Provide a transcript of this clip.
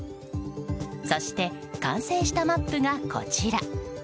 そして完成したマップがこちら。